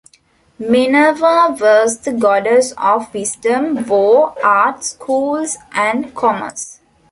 Minerva was the goddess of wisdom, war, art, schools, and commerce.